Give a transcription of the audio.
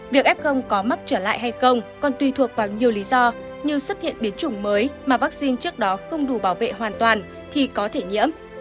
việc f có mắc trở lại hay không còn tùy thuộc vào nhiều lý do như xuất hiện biến chủng mới mà vaccine trước đó không đủ bảo vệ hoàn toàn thì có thể nhiễm